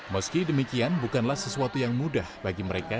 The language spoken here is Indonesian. meski demikian bukanlah sesuatu yang mudah bagi mereka